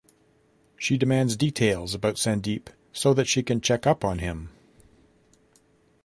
She demands details about Sandeep so that she can check up on him.